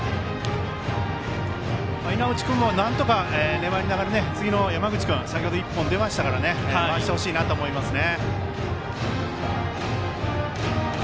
稲内君もなんとか粘りながら次の山口君先程、一本出ましたから回してほしいなと思いますね。